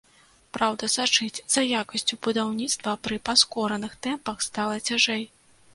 Праўда, сачыць за якасцю будаўніцтва пры паскораных тэмпах стала цяжэй.